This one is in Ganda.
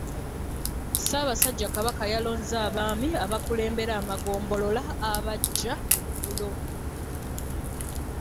Ssaabasajja Kabaka yalonze abaami abakulembera amagombolola abaggya eggulo.